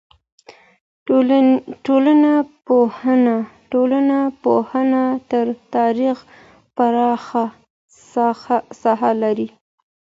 ټولنپوهنه تر تاریخ پراخه ساحه لري.